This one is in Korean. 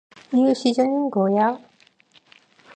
일시적인 거야.